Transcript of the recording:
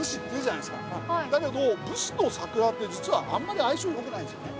だけど武士と桜って実はあんまり相性良くないんですよね。